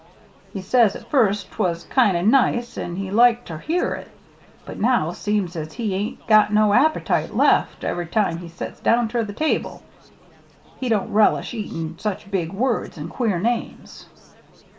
He says at first 'twas kind o' nice an' he liked ter hear it; but now, seems as if he hain't got no appetite left ev'ry time he sets down ter the table. He don't relish eatin' such big words an' queer names.